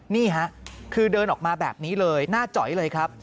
นี่ฮะคือเดินออกมาแบบนี้เลยหน้าจอยเลยครับ